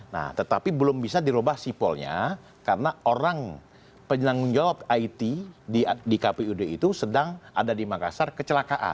nah tetapi belum bisa dirubah sipolnya karena orang penanggung jawab it di kpud itu sedang ada di makassar kecelakaan